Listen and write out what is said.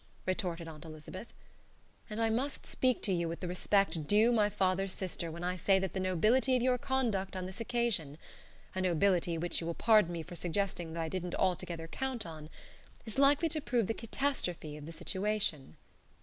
retorted Aunt Elizabeth. " and I must speak to you with the respect due my father's sister when I say that the nobility of your conduct on this occasion a nobility which you will pardon me for suggesting that I didn't altogether count on is likely to prove the catastrophe of the situation."